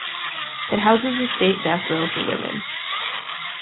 It houses the state death row for women.